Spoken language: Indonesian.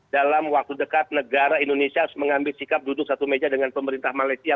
dalam waktu dekat negara indonesia harus mengambil sikap duduk satu meja dengan pemerintah malaysia